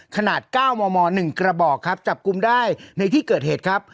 ขนาด๙มม๑กระบอกครับจับกลุ่มได้ในที่เกิดเหตุครับ